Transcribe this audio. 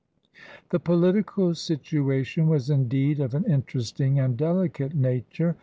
The political situation was indeed of an interesting and delicate nature.